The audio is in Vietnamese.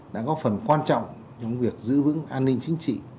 đã góp phần quan trọng trong việc giữ vững an ninh chính trị